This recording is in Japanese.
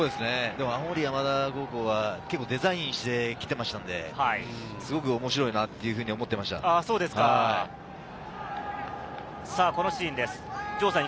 青森山田高校はデザインしてきていましたので、すごく面白いなというふうに思っていまこのシーンです。